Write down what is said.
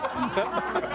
ハハハハ！